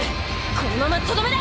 このままとどめだ！